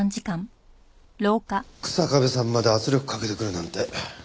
日下部さんまで圧力かけてくるなんて。